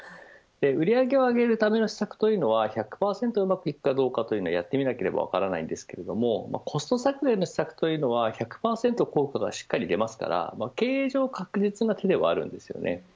売上を上げるための施策というのは、１００％うまくいくかどうかはやってみなければ分からないですがコスト削減の施策というのは１００％効果がしっかり出ますから経営上確実な形ではあります。